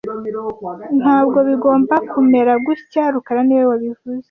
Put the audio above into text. Ntabwo bigomba kumera gutya rukara niwe wabivuze